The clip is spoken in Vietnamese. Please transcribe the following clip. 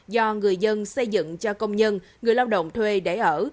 do người dân xây dựng cho công nhân người lao động thuê để ở